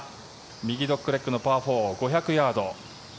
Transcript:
右ドッグレッグのパー４５００ヤード。